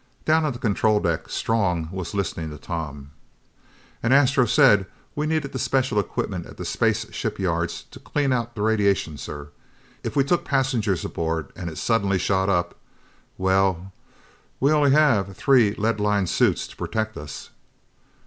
Down on the control deck, Strong was listening to Tom. "... and Astro said we'd need the special equipment at the space shipyards to clean out the radiation, sir. If we took passengers aboard and it suddenly shot up well, we only have the three lead lined suits to protect us."